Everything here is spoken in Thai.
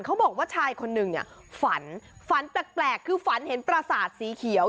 เขาบอกว่าชายคนนึงเนี่ยฝันฝันแปลกคือฝันเห็นประสาทสีเขียว